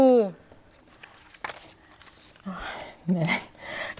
เดี๋ยวล่ะ